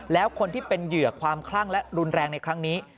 แล้วคนที่เป็นเหยื่อความคลั่งและรุนแรงในครั้งนี้